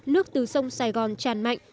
nước từ sông sài gòn tràn mạnh